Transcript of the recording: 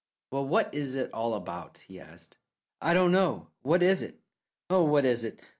"Well, what is it all about?" he asked. "I don't know. What is it? Oh, what is it?